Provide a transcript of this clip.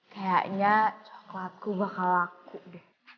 kayaknya coklatku bakal laku deh